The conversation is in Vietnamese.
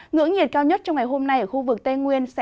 ngưỡng nhiệt cao nhất trong ngày hôm nay ở khu vực tây nguyên